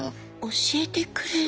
教えてくれる？